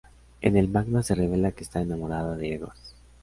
En el manga se revela que está enamorada de Edward.